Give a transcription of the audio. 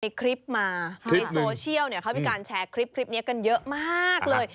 คลิปมาในโซเชียลเนี่ยเขามีการแชร์คลิปนี้กันเยอะมากเลย